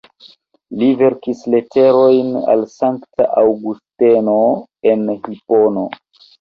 Li verkis leterojn al Sankta Aŭgusteno de Hipono.